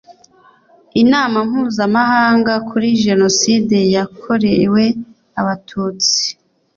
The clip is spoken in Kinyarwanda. Inama Mpuzamahanga kuri Jenoside yakorewe Abatutsi